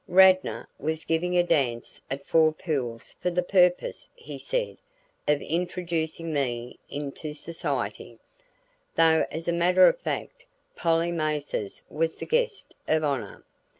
Radnor was giving a dance at Four Pools for the purpose, he said, of introducing me into society; though as a matter of fact Polly Mathers was the guest of honor.